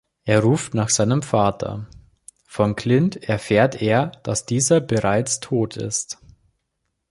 Er ruft nach seinem Vater; von Clint erfährt er, dass dieser bereits tot ist.